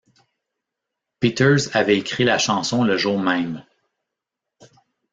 Peters avait écrit la chanson le jour même.